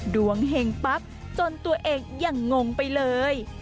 เห็งปั๊บจนตัวเองอย่างงงไปเลย